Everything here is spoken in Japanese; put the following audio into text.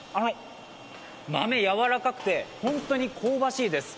豆、柔らかくて、本当に香ばしいです。